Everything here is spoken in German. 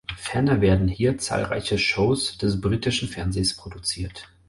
Ferner werden hier zahlreiche Shows des britischen Fernsehens produziert.